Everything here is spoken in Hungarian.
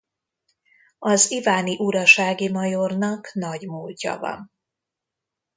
Az iváni urasági majornak nagy múltja van.